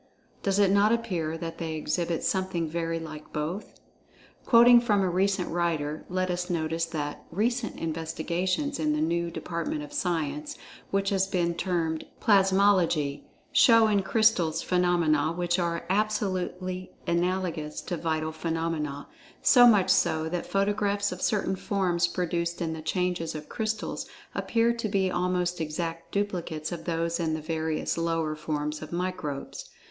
Does it not appear that they exhibit something very like both? Quoting from a recent writer, let us notice that: "Recent investigations in the new department of science, which has been termed 'plasmology,' show in crystals phenomena which are absolutely analogous to vital phenomena—so much so that photographs of certain forms produced in the changes of crystals appear to be almost exact duplicates of those in the various lower forms of microbes.